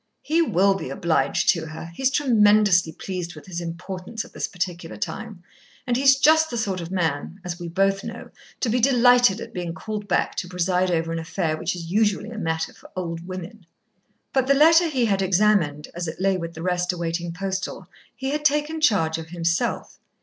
"He will be obliged to her. He is tremendously pleased with his importance at this particular time, and he is just the sort of man as we both know to be delighted at being called back to preside over an affair which is usually a matter for old women." But the letter he had examined, as it lay with the rest awaiting postal, he had taken charge of himself.